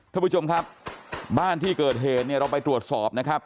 ท่านผู้ชมครับบ้านที่เกิดเหตุเนี่ยเราไปตรวจสอบนะครับ